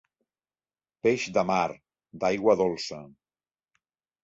Peix de mar, d'aigua dolça.